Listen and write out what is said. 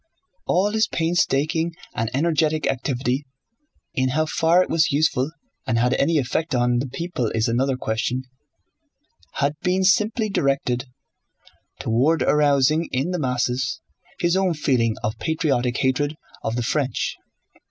All his painstaking and energetic activity (in how far it was useful and had any effect on the people is another question) had been simply directed toward arousing in the masses his own feeling of patriotic hatred of the French.